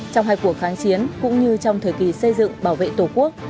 trong hai cuộc kháng chiến cũng như trong thời kỳ xây dựng bảo vệ tổ quốc